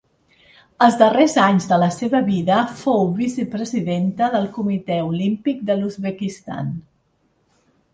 Els darrers anys de la seva vida fou vicepresidenta del Comitè Olímpic de l'Uzbekistan.